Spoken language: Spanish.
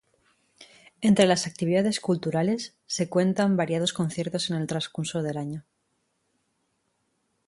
Entre las actividades culturales se cuentan variados conciertos en el transcurso del año.